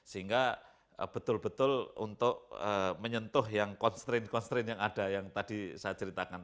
sehingga betul betul untuk menyentuh yang constraint constraint yang ada yang tadi saya ceritakan